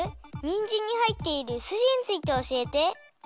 にんじんにはいっているすじについておしえて。